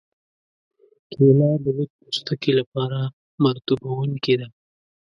کېله د وچ پوستکي لپاره مرطوبوونکې ده.